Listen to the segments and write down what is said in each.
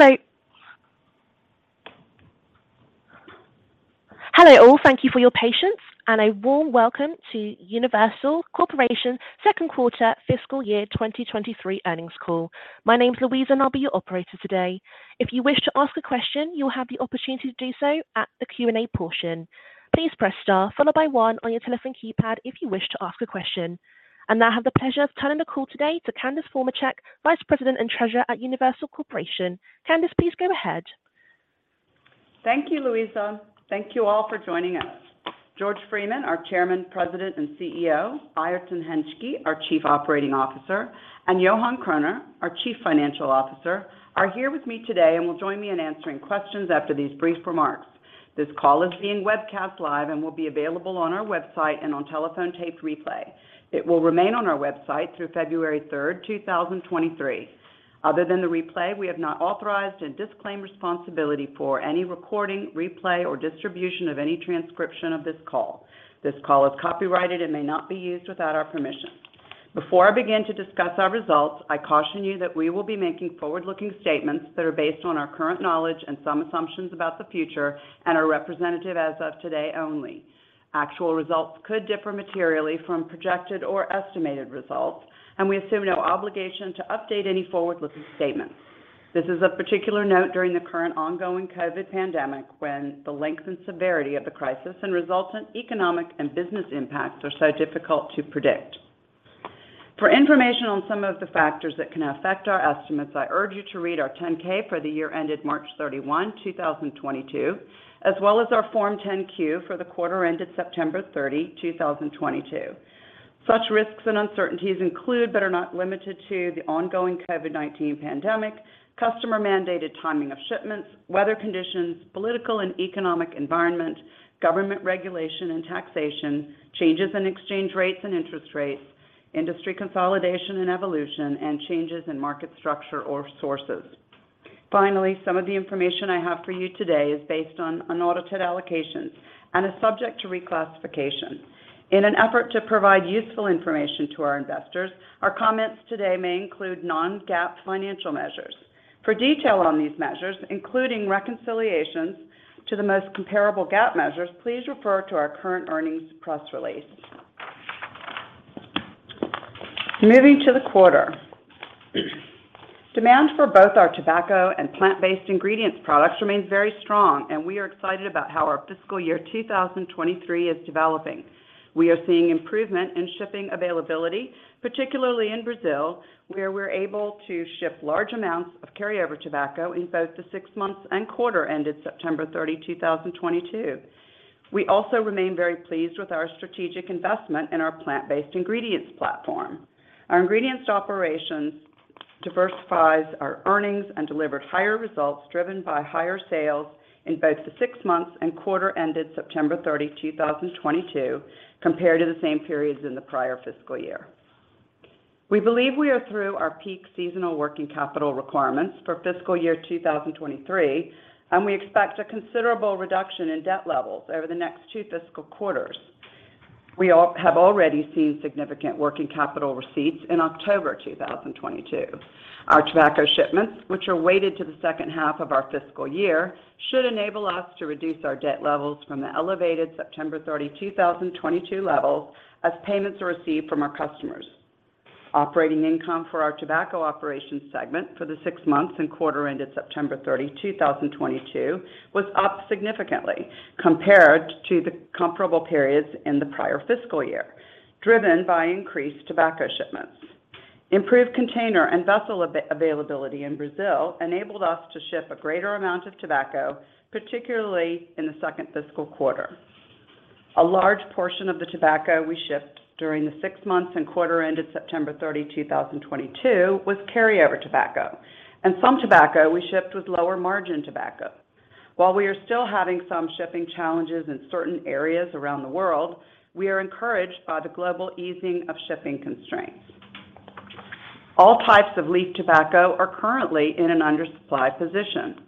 Hello. Hello all. Thank you for your patience, and a warm welcome to Universal Corporation Second Quarter Fiscal Year 2023 earnings call. My name's Luisa and I'll be your operator today. If you wish to ask a question, you'll have the opportunity to do so at the Q&A portion. Please press Star followed by One on your telephone keypad if you wish to ask a question. Now I have the pleasure of turning the call today to Candace Formacek, Vice President and Treasurer at Universal Corporation. Candace, please go ahead. Thank you, Luisa. Thank you all for joining us. George Freeman, our Chairman, President, and CEO, Airton Hentschke, our Chief Operating Officer, and Johan Kroner, our Chief Financial Officer, are here with me today and will join me in answering questions after these brief remarks. This call is being webcast live and will be available on our website and on telephone taped replay. It will remain on our website through February 3rd, 2023. Other than the replay, we have not authorized and disclaim responsibility for any recording, replay, or distribution of any transcription of this call. This call is copyrighted and may not be used without our permission. Before I begin to discuss our results, I caution you that we will be making forward-looking statements that are based on our current knowledge and some assumptions about the future and are representative as of today only. Actual results could differ materially from projected or estimated results, and we assume no obligation to update any forward-looking statements. This is of particular note during the current ongoing COVID-19 pandemic, when the length and severity of the crisis and resultant economic and business impacts are so difficult to predict. For information on some of the factors that can affect our estimates, I urge you to read our Form 10-K for the year ended March 31, 2022, as well as our Form 10-Q for the quarter ended September 30, 2022. Such risks and uncertainties include, but are not limited to, the ongoing COVID-19 pandemic, customer-mandated timing of shipments, weather conditions, political and economic environment, government regulation and taxation, changes in exchange rates and interest rates, industry consolidation and evolution, and changes in market structure or sources. Finally, some of the information I have for you today is based on unaudited allocations and is subject to reclassification. In an effort to provide useful information to our investors, our comments today may include non-GAAP financial measures. For detail on these measures, including reconciliations to the most comparable GAAP measures, please refer to our current earnings press release. Moving to the quarter. Demand for both our tobacco and plant-based ingredients products remains very strong, and we are excited about how our fiscal year 2023 is developing. We are seeing improvement in shipping availability, particularly in Brazil, where we're able to ship large amounts of carryover tobacco in both the six months and quarter ended September 30, 2022. We also remain very pleased with our strategic investment in our plant-based ingredients platform. Our ingredients operations diversifies our earnings and delivered higher results driven by higher sales in both the six months and quarter ended September 30, 2022, compared to the same periods in the prior fiscal year. We believe we are through our peak seasonal working capital requirements for fiscal year 2023, and we expect a considerable reduction in debt levels over the next two fiscal quarters. We have already seen significant working capital receipts in October 2022. Our tobacco shipments, which are weighted to the second half of our fiscal year, should enable us to reduce our debt levels from the elevated September 30, 2022 levels as payments are received from our customers. Operating income for our tobacco operations segment for the six months and quarter ended September 30, 2022 was up significantly compared to the comparable periods in the prior fiscal year, driven by increased tobacco shipments. Improved container and vessel availability in Brazil enabled us to ship a greater amount of tobacco, particularly in the second fiscal quarter. A large portion of the tobacco we shipped during the six months and quarter ended September 30, 2022 was carryover tobacco, and some tobacco we shipped was lower margin tobacco. While we are still having some shipping challenges in certain areas around the world, we are encouraged by the global easing of shipping constraints. All types of leaf tobacco are currently in an undersupply position.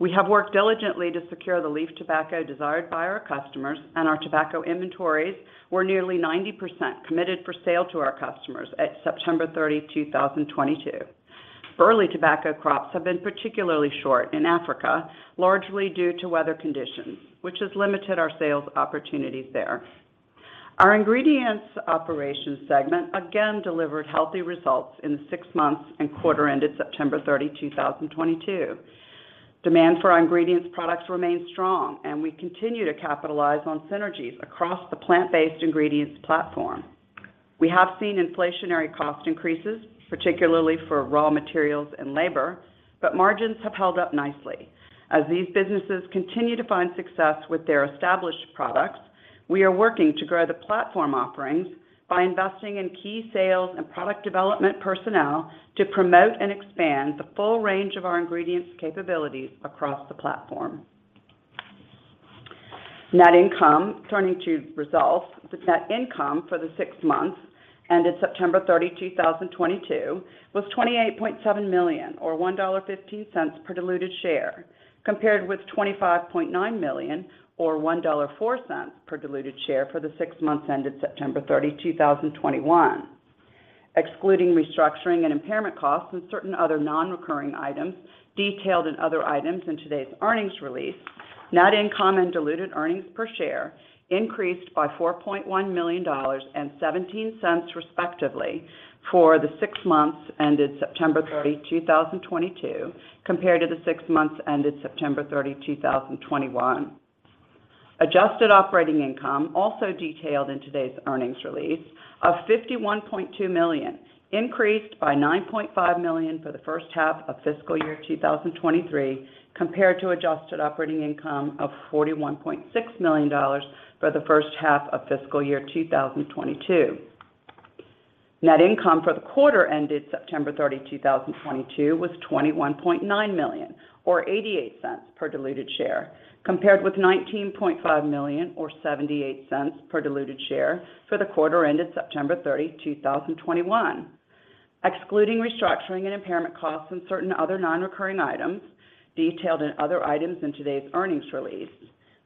We have worked diligently to secure the leaf tobacco desired by our customers, and our tobacco inventories were nearly 90% committed for sale to our customers at September 30, 2022. Burley tobacco crops have been particularly short in Africa, largely due to weather conditions, which has limited our sales opportunities there. Our ingredients operations segment again delivered healthy results in the six months and quarter ended September 30, 2022. Demand for our ingredients products remains strong, and we continue to capitalize on synergies across the plant-based ingredients platform. We have seen inflationary cost increases, particularly for raw materials and labor, but margins have held up nicely. As these businesses continue to find success with their established products, we are working to grow the platform offerings by investing in key sales and product development personnel to promote and expand the full range of our ingredients capabilities across the platform. Net income. Turning to results. The net income for the six months ended September 30, 2022 was $28.7 million or $1.15 per diluted share, compared with $25.9 million or $1.04 per diluted share for the six months ended September 30, 2021. Excluding restructuring and impairment costs and certain other non-recurring items detailed in other items in today's earnings release, net income and diluted earnings per share increased by $4.1 million and $0.17, respectively, for the six months ended September 30, 2022, compared to the six months ended September 30, 2021. Adjusted operating income, also detailed in today's earnings release, of $51.2 million increased by $9.5 million for the first half of fiscal year 2023 compared to adjusted operating income of $41.6 million for the first half of fiscal year 2022. Net income for the quarter ended September 30, 2022 was $21.9 million or $0.88 per diluted share, compared with $19.5 million or $0.78 per diluted share for the quarter ended September 30, 2021. Excluding restructuring and impairment costs and certain other non-recurring items detailed in other items in today's earnings release,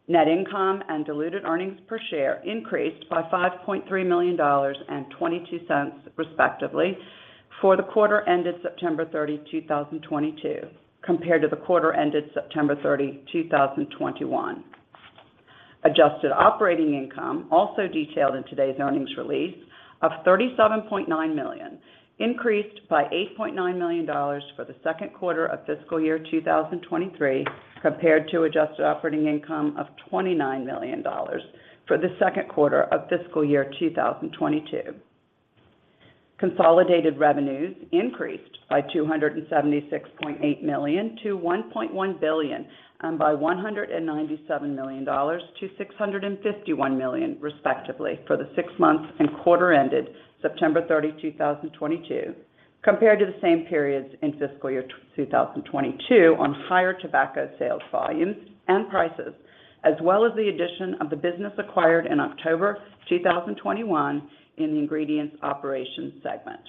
net income and diluted earnings per share increased by $5.3 million and $0.22, respectively, for the quarter ended September 30, 2022 compared to the quarter ended September 30, 2021. Adjusted operating income, also detailed in today's earnings release of $37.9 million, increased by $8.9 million for the second quarter of fiscal year 2023 compared to adjusted operating income of $29 million for the second quarter of fiscal year 2022. Consolidated revenues increased by $276.8 million to $1.1 billion and by $197 million to $651 million, respectively, for the six months and quarter ended September 30, 2022 compared to the same periods in fiscal year 2022 on higher tobacco sales volumes and prices, as well as the addition of the business acquired in October 2021 in the ingredients operations segment.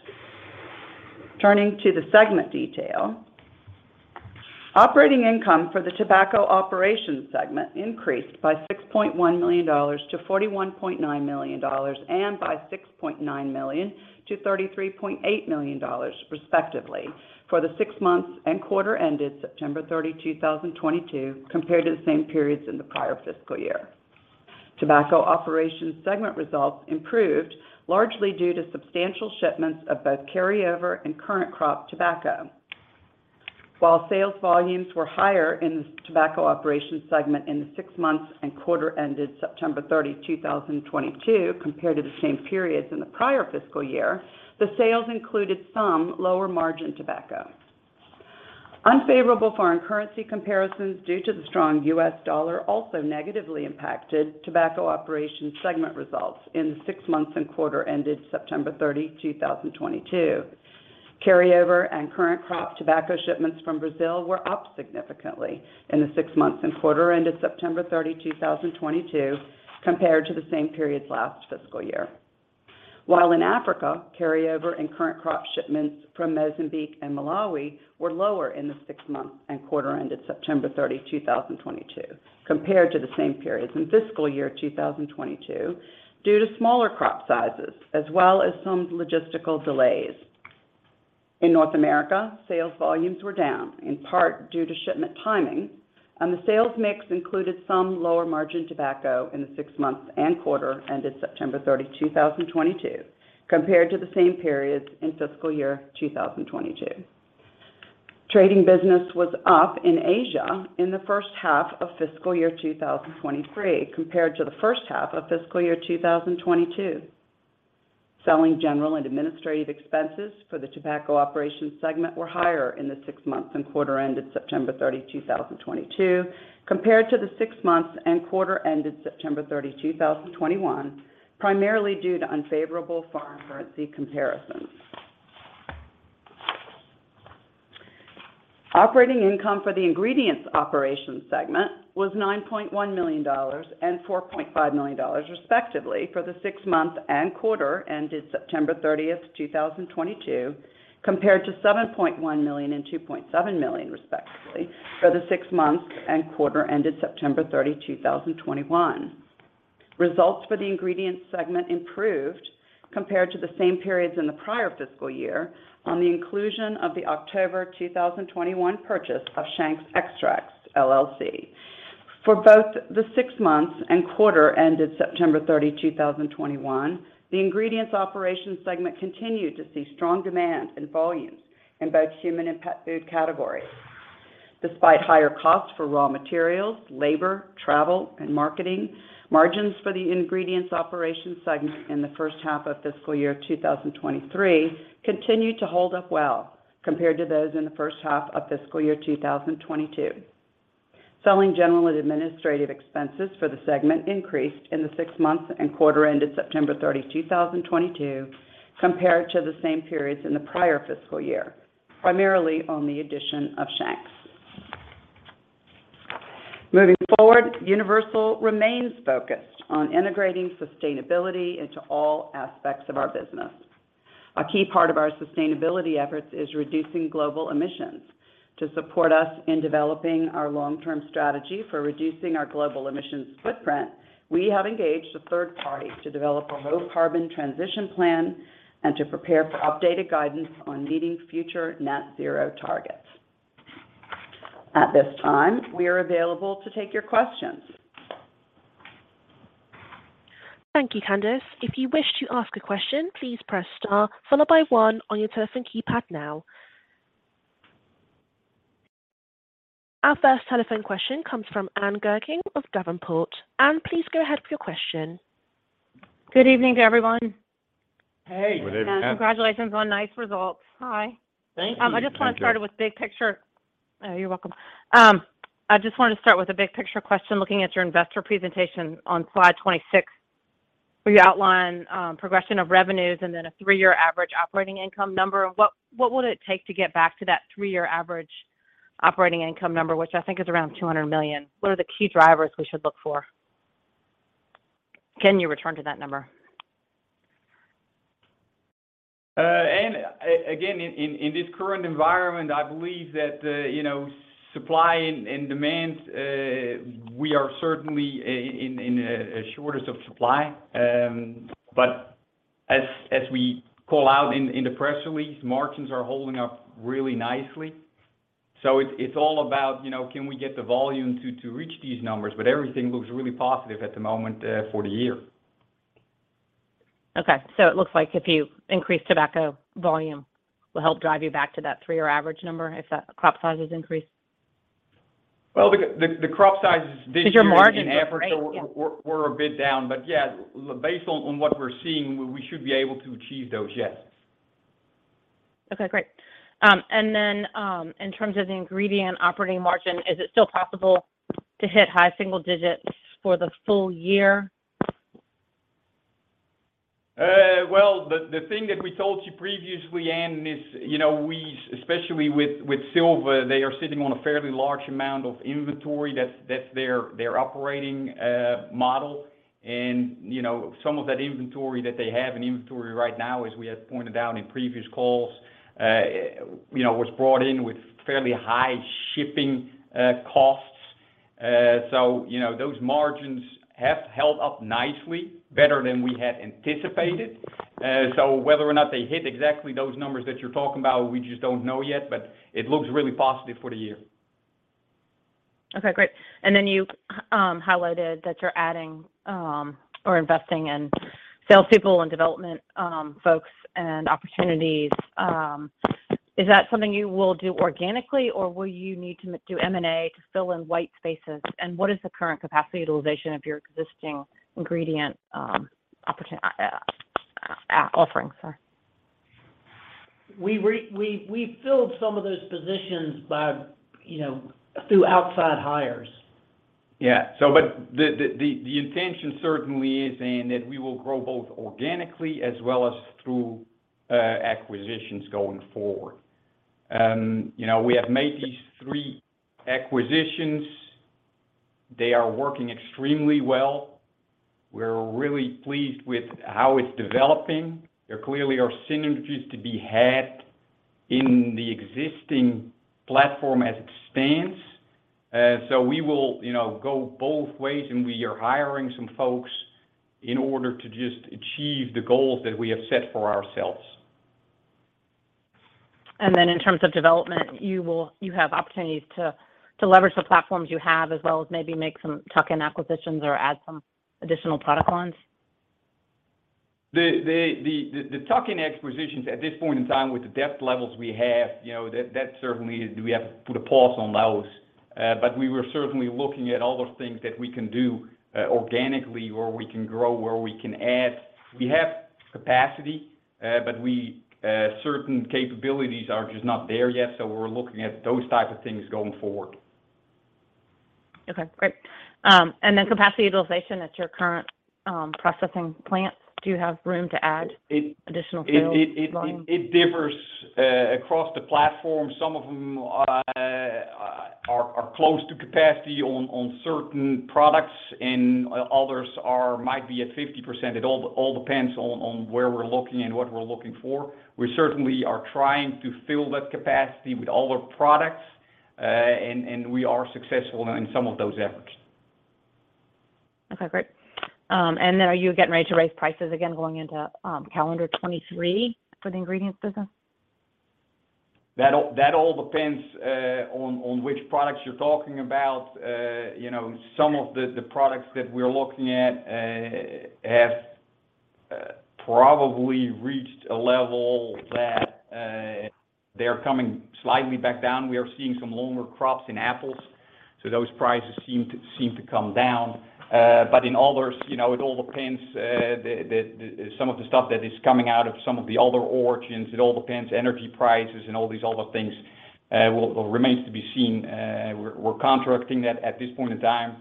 Turning to the segment detail. Operating income for the tobacco operations segment increased by $6.1 million to $41.9 million and by $6.9 million to $33.8 million, respectively, for the six months and quarter ended September 30, 2022 compared to the same periods in the prior fiscal year. Tobacco operations segment results improved largely due to substantial shipments of both carryover and current crop tobacco. While sales volumes were higher in the tobacco operations segment in the six months and quarter ended September 30, 2022 compared to the same periods in the prior fiscal year, the sales included some lower margin tobacco. Unfavorable foreign currency comparisons due to the strong U.S. dollar also negatively impacted tobacco operations segment results in the six months and quarter ended September 30, 2022. Carryover and current crop tobacco shipments from Brazil were up significantly in the six months and quarter ended September 30, 2022 compared to the same periods last fiscal year. While in Africa, carryover and current crop shipments from Mozambique and Malawi were lower in the six months and quarter ended September 30, 2022 compared to the same periods in fiscal year 2022 due to smaller crop sizes as well as some logistical delays. In North America, sales volumes were down in part due to shipment timing, and the sales mix included some lower margin tobacco in the six months and quarter ended September 30, 2022 compared to the same periods in fiscal year 2022. Trading business was up in Asia in the first half of fiscal year 2023 compared to the first half of fiscal year 2022. Selling, general, and administrative expenses for the tobacco operations segment were higher in the six months and quarter ended September 30, 2022 compared to the six months and quarter ended September 30, 2021, primarily due to unfavorable foreign currency comparisons. Operating income for the ingredients operations segment was $9.1 million and $4.5 million, respectively, for the six months and quarter ended September 30, 2022 compared to $7.1 million and $2.7 million, respectively, for the six months and quarter ended September 30, 2021. Results for the ingredients segment improved compared to the same periods in the prior fiscal year on the inclusion of the October 2021 purchase of Shank's Extracts LLC. For both the six months and quarter ended September 30, 2021, the ingredients operations segment continued to see strong demand and volumes in both human and pet food categories. Despite higher costs for raw materials, labor, travel, and marketing, margins for the ingredients operations segment in the first half of fiscal year 2023 continued to hold up well compared to those in the first half of fiscal year 2022. Selling, general, and administrative expenses for the segment increased in the six months and quarter ended September 30, 2022 compared to the same periods in the prior fiscal year, primarily on the addition of Shank's. Moving forward, Universal remains focused on integrating sustainability into all aspects of our business. A key part of our sustainability efforts is reducing global emissions. To support us in developing our long-term strategy for reducing our global emissions footprint, we have engaged a third party to develop a low-carbon transition plan and to prepare for updated guidance on meeting future net zero targets. At this time, we are available to take your questions. Thank you, Candace. If you wish to ask a question, please press star followed by one on your telephone keypad now. Our first telephone question comes from Ann Gurkin of Davenport. Ann, please go ahead with your question. Good evening to everyone. Hey. Good evening, Ann. Congratulations on nice results. Hi. Thank you. I just wanted to start with a big picture question. Looking at your investor presentation on slide 26, where you outline progression of revenues and then a three-year average operating income number. What would it take to get back to that three-year average operating income number, which I think is around $200 million? What are the key drivers we should look for? Can you return to that number? Ann, Again, in this current environment, I believe that the, you know, supply and demand, we are certainly in a shortage of supply. As we call out in the press release, margins are holding up really nicely. It's all about, you know, can we get the volume to reach these numbers? Everything looks really positive at the moment, for the year. Okay. It looks like if you increase tobacco volume will help drive you back to that three-year average number if crop sizes increase? Well, the crop sizes this year. Because your margins look great, yeah. Our efforts were a bit down. Yeah, based on what we're seeing, we should be able to achieve those, yes. Okay, great. In terms of the ingredient operating margin, is it still possible to hit high single digits% for the full year? Well, the thing that we told you previously, Ann, is, you know, especially with Silva, they are sitting on a fairly large amount of inventory. That's their operating model. You know, some of that inventory that they have in inventory right now, as we have pointed out in previous calls, you know, was brought in with fairly high shipping costs. You know, those margins have held up nicely, better than we had anticipated. Whether or not they hit exactly those numbers that you're talking about, we just don't know yet. It looks really positive for the year. Okay, great. You highlighted that you're adding, or investing in sales people and development, folks and opportunities. Is that something you will do organically, or will you need to do M&A to fill in white spaces? What is the current capacity utilization of your existing ingredient, offering, sorry. We filled some of those positions by, you know, through outside hires. Yeah. The intention certainly is, Ann, that we will grow both organically as well as through acquisitions going forward. You know, we have made these three acquisitions. They are working extremely well. We're really pleased with how it's developing. There clearly are synergies to be had in the existing platform as it stands. We will, you know, go both ways, and we are hiring some folks in order to just achieve the goals that we have set for ourselves. In terms of development, you have opportunities to leverage the platforms you have as well as maybe make some tuck-in acquisitions or add some additional product lines? The tuck-in acquisitions at this point in time with the depth levels we have, you know, that certainly is. We have to put a pause on those. We were certainly looking at all those things that we can do organically where we can grow, where we can add. We have capacity, but certain capabilities are just not there yet, so we're looking at those type of things going forward. Okay, great. Capacity utilization at your current processing plants, do you have room to add? It- Additional fields line? It differs across the platform. Some of them are close to capacity on certain products, and others might be at 50%. It all depends on where we're looking and what we're looking for. We certainly are trying to fill that capacity with all the products, and we are successful in some of those efforts. Okay, great. Are you getting ready to raise prices again going into calendar 2023 for the ingredients business? That all depends on which products you're talking about. You know, some of the products that we're looking at have probably reached a level that they're coming slightly back down. We are seeing some lower crops in apples, so those prices seem to come down. But in others, you know, it all depends, some of the stuff that is coming out of some of the other origins, it all depends. Energy prices and all these other things remains to be seen. We're contracting that at this point in time,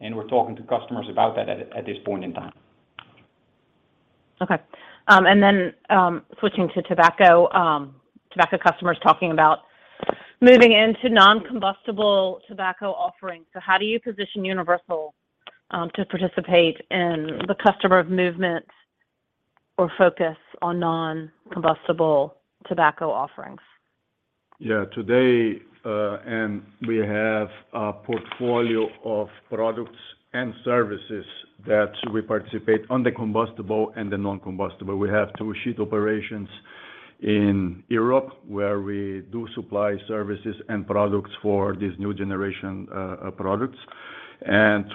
and we're talking to customers about that at this point in time. Switching to tobacco customers talking about moving into non-combustible tobacco offerings. How do you position Universal to participate in the customer movement or focus on non-combustible tobacco offerings? Yeah. Today we have a portfolio of products and services that we participate on the combustible and the non-combustible. We have two sheet operations in Europe, where we do supply services and products for these new generation products.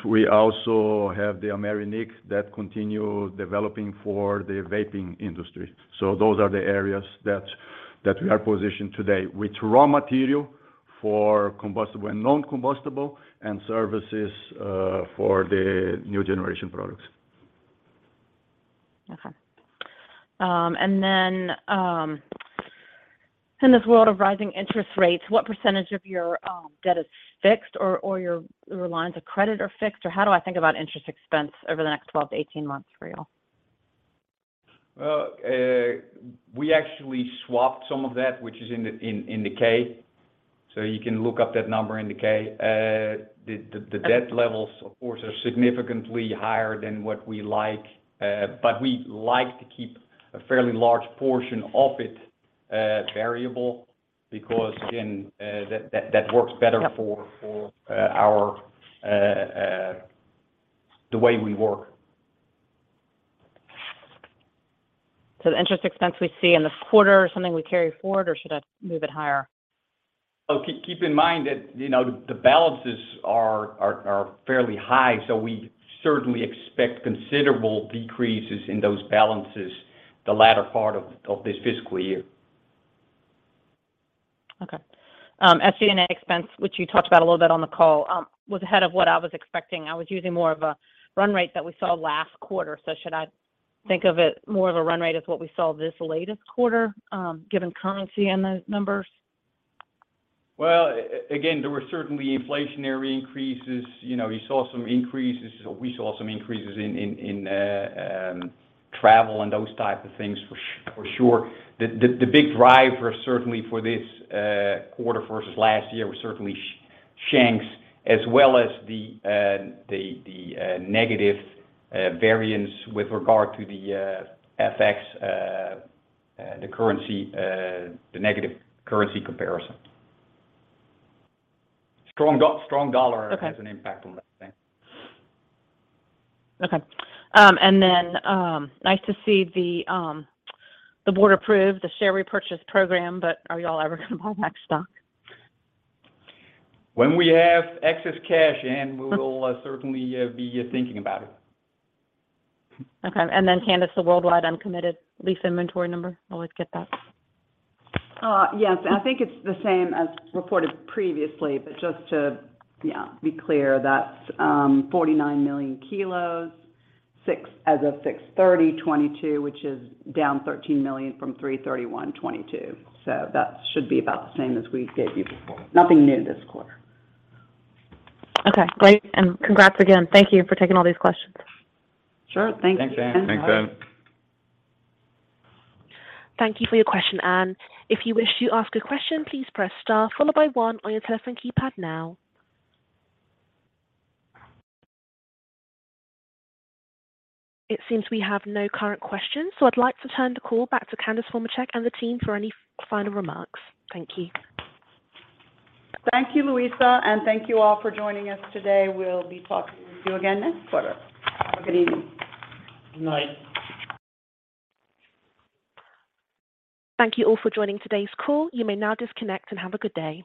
We also have the Amernic that continue developing for the vaping industry. Those are the areas that we are positioned today, with raw material for combustible and non-combustible and services for the new generation products. Okay. In this world of rising interest rates, what percentage of your debt is fixed or your lines of credit are fixed, or how do I think about interest expense over the next 12-18 months for y'all? Well, we actually swapped some of that, which is in the 10-K. You can look up that number in the 10-K. The debt levels of course are significantly higher than what we like. We like to keep a fairly large portion of it variable because, again, that works better. Yep. For our the way we work. The interest expense we see in this quarter is something we carry forward or should I move it higher? Keep in mind that, you know, the balances are fairly high, so we certainly expect considerable decreases in those balances the latter part of this fiscal year. Okay. SG&A expense, which you talked about a little bit on the call, was ahead of what I was expecting. I was using more of a run rate that we saw last quarter. Should I think of it more of a run rate as what we saw this latest quarter, given currency in the numbers? Well, again, there were certainly inflationary increases. You know, you saw some increases, we saw some increases in travel and those type of things for sure. The big driver certainly for this quarter versus last year was certainly Shank's as well as the negative variance with regard to the FX, the currency, the negative currency comparison. Strong dollar- Okay. Has an impact on that thing. Okay. Nice to see the board approved the share repurchase program, but are y'all ever gonna buy back stock? When we have excess cash, Ann, we will certainly be thinking about it. Okay. Candace, the worldwide uncommitted lease inventory number. I always get that. Yes. I think it's the same as reported previously, but just to, yeah, be clear, that's 49 million kg as of June 30, 2022, which is down 13 million kg from March 31, 2022. That should be about the same as we gave you before. Nothing new this quarter. Okay, great. Congrats again. Thank you for taking all these questions. Sure. Thank you. Thanks, Ann. Thanks. Thank you for your question, Ann. If you wish to ask a question, please press star followed by one on your telephone keypad now. It seems we have no current questions, so I'd like to turn the call back to Candace Formacek and the team for any final remarks. Thank you. Thank you, Luisa, and thank you all for joining us today. We'll be talking with you again next quarter. Have a good evening. Good night. Thank you all for joining today's call. You may now disconnect and have a good day.